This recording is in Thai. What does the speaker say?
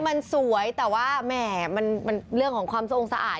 มันสวยแต่ว่าแหม่มันเรื่องของความทรงสะอาด